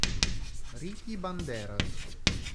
Ricky Banderas